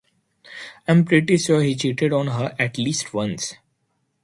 I'm pretty sure he cheated on her at least once.